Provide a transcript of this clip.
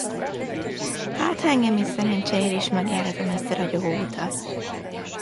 Hátha engem is szerencse ér, s megjárhatom ezt a ragyogó utat!